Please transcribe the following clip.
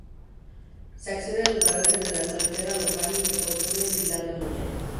Se accede al lugar desde la carretera local entre Porcuna y Pilar de Moya.